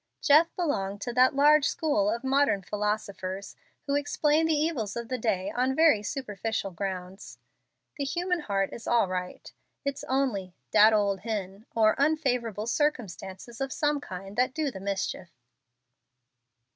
Jeff belonged to that large school of modern philosophers who explain the evils of the day on very superficial grounds. The human heart is all right. It's only "dat ole hen" or unfavorable circumstances of some kind, that do the mischief.